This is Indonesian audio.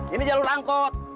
ini jalur angkot